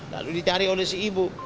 lalu dicari oleh si ibu